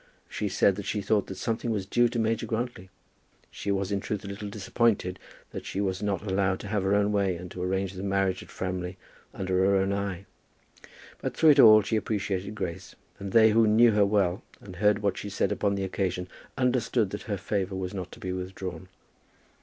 She said that she thought that something was due to Major Grantly. She was in truth a little disappointed that she was not allowed to have her own way, and to arrange the marriage at Framley under her own eye. But, through it all, she appreciated Grace; and they who knew her well and heard what she said upon the occasion, understood that her favour was not to be withdrawn.